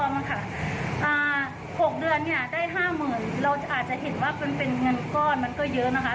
๖เดือนได้๕๐๐๐๐บาทเราอาจจะเห็นว่าเป็นเงินก้อนมันก็เยอะนะคะ